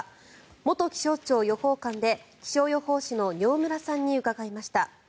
元気象庁予報官で気象予報士の饒村さんに伺いました。